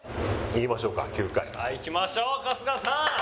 いきましょう春日さん！